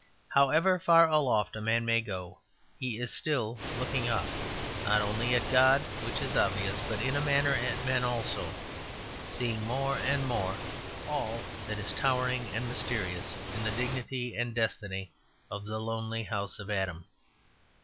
However far aloft a man may go, he is still looking up, not only at God (which is obvious), but in a manner at men also: seeing more and more all that is towering and mysterious in the dignity and destiny of the lonely house of Adam.